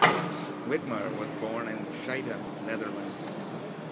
Witmer was born in Schiedam, Netherlands.